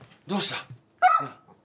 どうした？